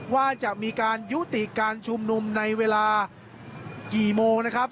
ว่าจะมีการยุติการชุมนุมในเวลากี่โมงนะครับ